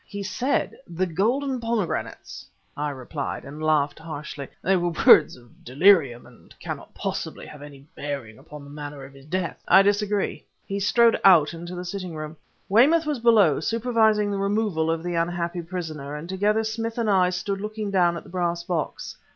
"He said 'the golden pomegranates,'" I replied, and laughed harshly. "They were words of delirium and cannot possibly have any bearing upon the manner of his death." "I disagree." He strode out into the sitting room. Weymouth was below, supervising the removal of the unhappy prisoner, and together Smith and I stood looking down at the brass box.